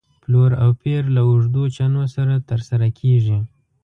پلور او پېر له اوږدو چنو سره تر سره کېږي.